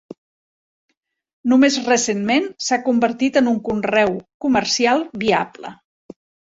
Només recentment s'ha convertit en un conreu comercial viable.